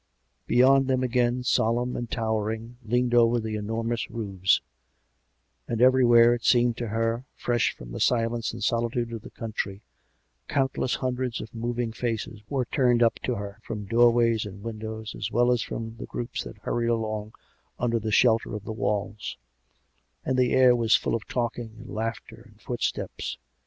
Beyond them again, solemn and towering, leaned over the enormous roofs; and everywhere, it seemed to her fresh from the silence and solitude of the country, countless hun dreds of moving faces were turned up to her, from door ways and windows, as well as from the groups that hurried along under the shelter of the walls; and the air was full of talking and laughter and footsteps.